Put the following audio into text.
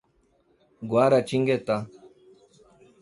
Guaratinguetá